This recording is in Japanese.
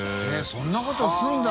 そんなことするんだ。